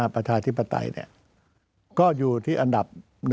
ประชาธิปไตยก็อยู่ที่อันดับ๑